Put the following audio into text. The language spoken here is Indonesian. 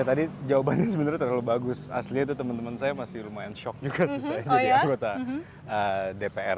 ya tadi jawabannya sebenernya terlalu bagus asli itu temen temen saya masih lumayan shock juga sih saya jadi anggota dpr